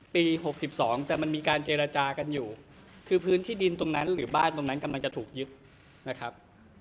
ปี๖๒แต่มันมีการเจรจากันอยู่คือพื้นที่ดินตรงนั้นหรือบ้านตรงนั้นกำลังจะถูกยึดนะครับ